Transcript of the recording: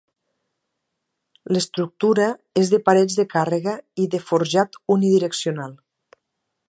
L'estructura és de parets de càrrega i de forjat unidireccional.